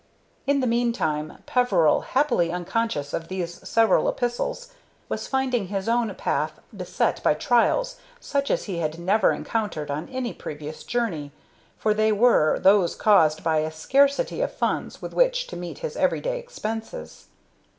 In the mean time, Peveril, happily unconscious of these several epistles, was finding his own path beset by trials such as he had never encountered on any previous journey, for they were those caused by a scarcity of funds with which to meet his every day expenses.